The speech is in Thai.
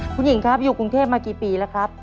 คุณหญิงครับอยู่กรุงเทพมากี่ปีแล้วครับ